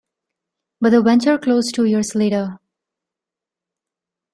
But the venture closed two years later.